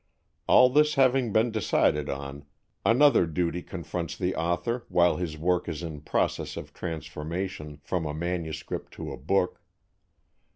All this having been decided on, another duty confronts the author while his work is in process of transformation from a manuscript to a book.